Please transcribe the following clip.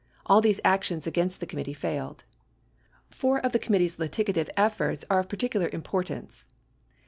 All these actions against the committee failed. Four of the committee's litigative efforts are of particular impor tance.